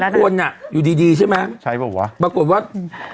คุณอ้อน่ะอยู่ดีดีใช่ไหมใช่บอกว่าปรากฏว่าอืม